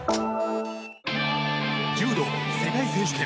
柔道世界選手権。